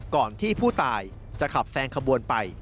ก่อนที่ผู้ตายจะขับแซงขบวนไป